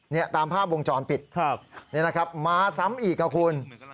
นี่ตามภาพวงจรปิดนี่นะครับมาซ้ำอีกนะคุณ